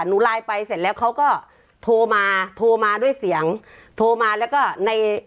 หนูไลน์ไปเสร็จแล้วเขาก็โทรมาโทรมาด้วยเสียงโทรมาแล้วก็ใน